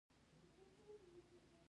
که دروغ وايم ګونګې دې شمه